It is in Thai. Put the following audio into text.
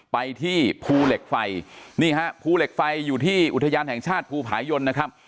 ไปที่ภูเหล็กไฟนี่ฮะภูเหล็กไฟอยู่ที่อุทยานแห่งชาติภูผายนนะครับ